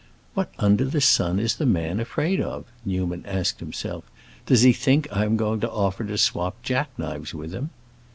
"What under the sun is the man afraid of?" Newman asked himself. "Does he think I am going to offer to swap jack knives with him?"